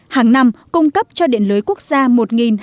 hàng năm cung cấp cho điện lưới quốc gia một hai trăm chín mươi năm tám m